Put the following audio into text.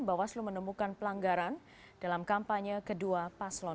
bawaslu menemukan pelanggaran dalam kampanye kedua paslon